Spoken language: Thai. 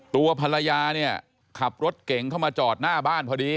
ตัวภรรยาเนี่ยขับรถเก่งเข้ามาจอดหน้าบ้านพอดี